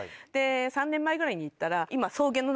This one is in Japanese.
３年前ぐらいに行ったら今。